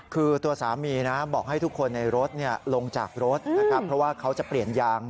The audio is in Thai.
คือตัวสามีนะบอกให้ทุกคนในรถลงจากรถนะครับเพราะว่าเขาจะเปลี่ยนยาง